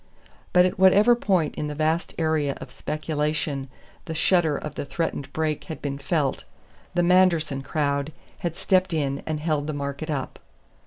But at whatever point in the vast area of speculation the shudder of the threatened break had been felt, "the Manderson crowd" had stepped in and held the market up.